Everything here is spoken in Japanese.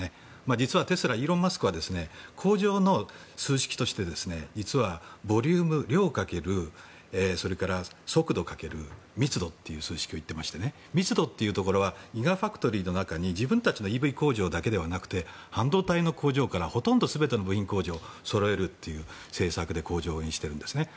実はテスラ、イーロン・マスクは工場の数式としてボリューム、量掛けるそれから速度掛ける密度という数式を言ってまして密度というところはギガファクトリーの中に自分たちのＥＶ工場だけではなくて半導体の工場からほとんど全ての部品をそろえるということで工場を運営しているんです。